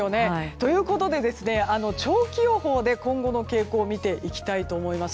ということで長期予報で今後の傾向を見ていきたいと思います。